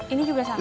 ini juga sama ya